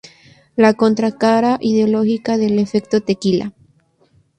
La contracara ideológica del Efecto Tequila.